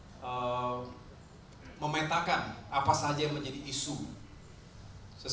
saya masih terus memetakan apa saja yang menjadi isu sesuai dengan keinginan saya